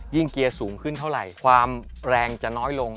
เกียร์สูงขึ้นเท่าไหร่ความแรงจะน้อยลง